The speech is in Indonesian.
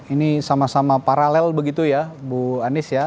ini sama sama paralel begitu ya bu anies ya